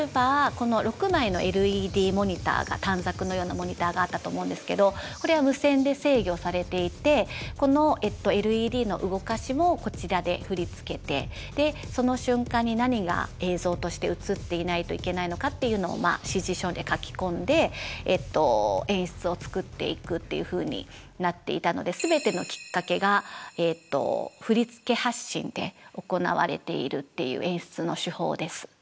この６枚のＬＥＤモニターが短冊のようなモニターがあったと思うんですけどこれは無線で制御されていてこのＬＥＤの動かしもこちらで振り付けてその瞬間に何が映像として映っていないといけないのかっていうのを指示書に書き込んで演出を作っていくっていうふうになっていたのでで行われているっていう演出の手法です。